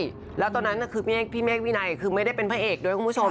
เพราะตอนนั้นคือพี่เมฆพี่ไหนคือไม่ได้เป็นพระเอกด้วยคุณผู้ชม